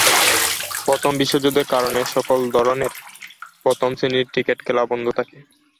প্রথম বিশ্বযুদ্ধের কারণে সকল ধরনের প্রথম-শ্রেণীর ক্রিকেট খেলা বন্ধ থাকে।